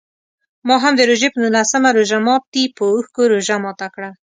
ما هم د روژې په نولسم روژه ماتي په اوښکو روژه ماته کړه.